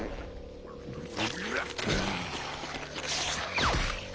うわ！